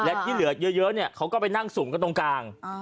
และที่เหลือเยอะเนี่ยเขาก็ไปนั่งสุ่มกันตรงกลาง